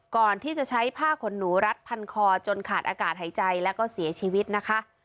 ก่อนที่จะใช้ผ้าขนหนูรัดพันคอจนขาดอากาศหายใจแล้วก็เสียชีวิตนะคะ